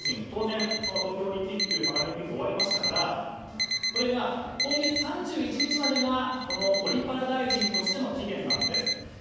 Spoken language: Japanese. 当然、東京オリンピック・パラリンピックが終わりましたから今月３０１日がオリパラ大臣の期限なんです。